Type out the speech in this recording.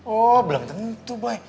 oh belum tentu boy